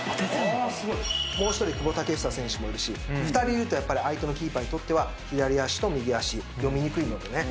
もう一人久保建英選手もいるし２人いるとやっぱり相手のキーパーにとっては左足と右足読みにくいのでね